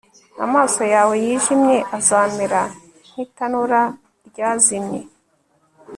amaso yawe yijimye azamera nk'itanura ryazimye